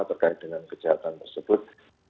terkait dengan kejahatan tersebut